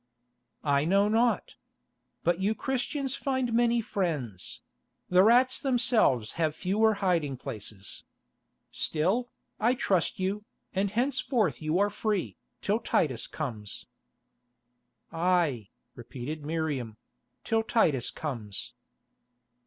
"I know not. But you Christians find many friends: the rats themselves have fewer hiding places. Still, I trust you, and henceforth you are free, till Titus comes." "Aye," repeated Miriam, "—till Titus comes."